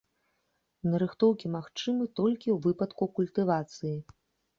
Нарыхтоўкі магчымы толькі ў выпадку культывацыі.